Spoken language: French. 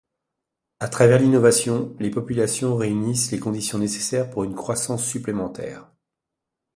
À travers l’innovation, les populations réunissent les conditions nécessaires pour une croissance supplémentaire.